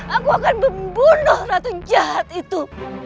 aku akan membunuh ratu jahat itu